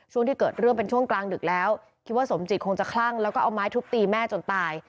ที่เกิดเรื่องเป็นช่วงกลางดึกแล้วคิดว่าสมจิตคงจะคลั่งแล้วก็เอาไม้ทุบตีแม่จนตาย